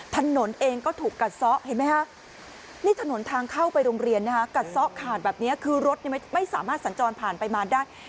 ถนนเองก็ถูกกัดซะเห็นไหมฮะนี่ถนนทางเข้าไปโรงเรียนนะคะกัดซ้อขาดแบบนี้คือรถไม่สามารถสัญจรผ่านไปมาได้